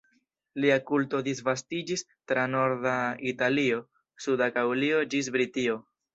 Lia kulto disvastiĝis tra norda Italio, suda Gaŭlio ĝis Britio.